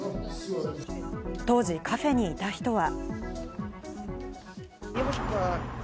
当時、カフェにいた人は。